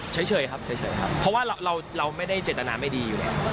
ใช่เฉยเพราะว่าเราไม่ได้เจตนาไม่ดีเลย